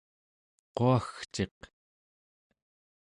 quagciq